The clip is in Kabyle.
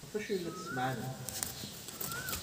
Ɣef wacu ay la d-tessemɛanemt?